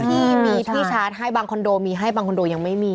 บางที่มีที่ชาร์จบางคอนโดมีบางคอนโดมีไม่มี